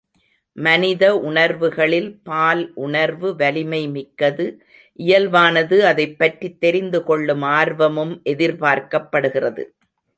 மனித உணர்வுகளில் பால் உணர்வு வலிமை மிக்கது இயல்பானது அதைப் பற்றித் தெரிந்துகொள்ளும் ஆர்வமும் எதிர்பார்க்கப்படுகிறது.